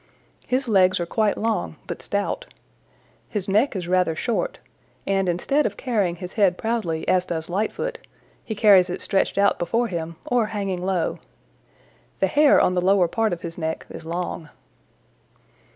His legs are quite long but stout. His neck is rather short, and instead of carrying his head proudly as does Lightfoot, he carries it stretched out before him or hanging low. The hair on the lower part of his neck is long.